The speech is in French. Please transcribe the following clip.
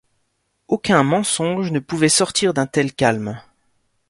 Aucun mensonge ne pouvait sortir d’un tel calme.